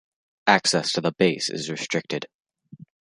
Access to the base is restricted.